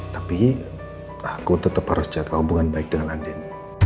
tapi aku tetep harus jatuh hubungan baik dengan andin